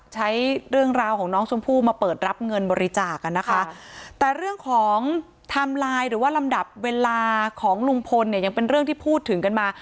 ใช้เรื่องราวของน้องชมพู่มาเปิดรับเงินบริจาคอ่ะนะคะแต่เรื่องของไทม์ไลน์หรือว่าลำดับเวลาของลุงพลเนี่ยยังเป็นเรื่องที่พูดถึงกันมา